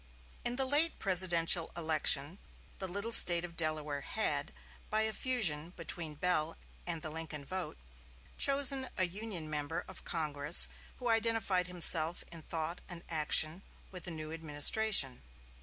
In the late presidential election the little State of Delaware had, by a fusion between the Bell and the Lincoln vote, chosen a Union member of Congress, who identified himself in thought and action with the new administration.